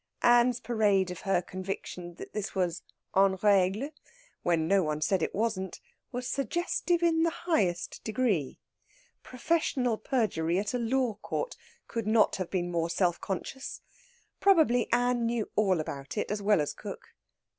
Ann's parade of her conviction that this was en règle, when no one said it wasn't, was suggestive in the highest degree. Professional perjury in a law court could not have been more self conscious. Probably Ann knew all about it, as well as cook.